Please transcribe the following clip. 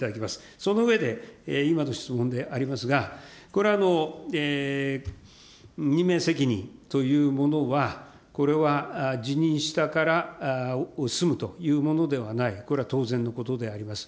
その上で、今の質問でありますが、これは任命責任というものは、これは辞任したから済むというものではない、これは当然のことであります。